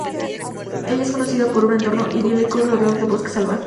Ella es conocida por su entorno idílico rodeado de un bosque salvaje.